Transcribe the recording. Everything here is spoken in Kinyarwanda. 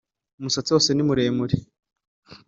Umusatsi wose ni umweru,